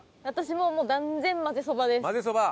私ももう断然まぜそばです。